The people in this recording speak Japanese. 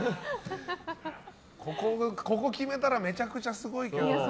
ここ決めたらめちゃめちゃすごいけど。